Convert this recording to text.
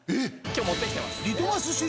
・今日持って来てます。